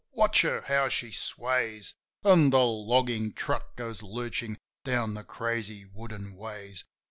Watch her, how she sways ! An' the loggin' truck goes lurchin' down the crazy wooden ways.